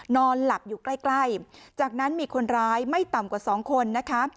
นอนหลับอยู่ใกล้จากนั้นมีคนร้ายไม่ต่ำกว่า๒คนนะคะ